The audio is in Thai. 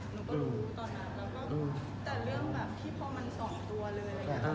หนูก็รู้ตอนนั้นแต่เรื่องที่พอมัน๒ตัวเลย